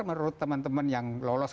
menurut teman teman yang lolos